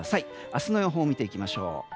明日の予報を見ていきましょう。